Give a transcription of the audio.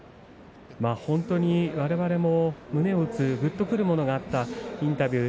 本当にわれわれも胸を打つぐっとくるものがあったインタビュー